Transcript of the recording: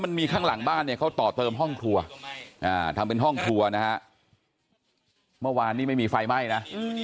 มันมีข้างหลังบ้านจะเขาต่อเติมห้องคนกับบ้านเวลามีไฟไหมนะ